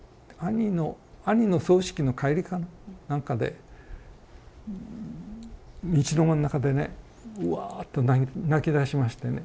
兄の葬式の帰りかなんかで道の真ん中でねワーッと泣きだしましてね。